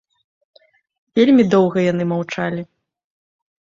Вельмі доўга яны маўчалі.